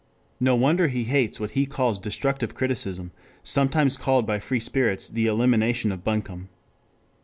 No wonder he hates what he calls destructive criticism, sometimes called by free spirits the elimination of buncombe.